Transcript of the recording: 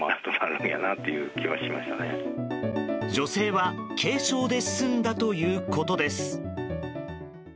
女性は軽傷で済んだということです。